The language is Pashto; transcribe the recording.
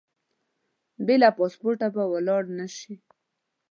بې له پاسپورټه به ولاړ نه شې.